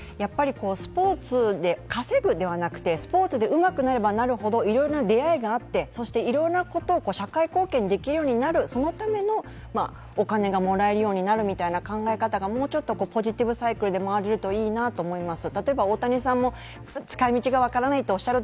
スポーツで稼ぐではなくてスポーツでうまくなればなるほどいろんな出会いがあって、いろんなことを社会貢献できるようになる、そのためのお金がもらえるようになるみたいな考え方がもうちょっとポジティブサイクルで回るといいなと思います。